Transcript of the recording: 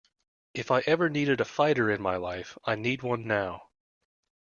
If I ever needed a fighter in my life I need one now.